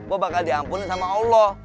gue bakal diampuni sama allah